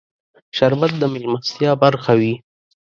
شربت د مېلمستیا برخه وي